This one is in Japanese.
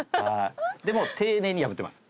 でも丁寧に破ってます。